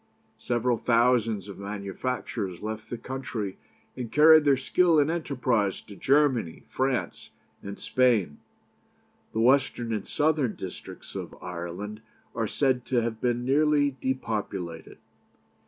Several thousands of manufacturers left the country, and carried their skill and enterprise to Germany, France, and Spain. The western and southern districts of Ireland are said to have been nearly depopulated.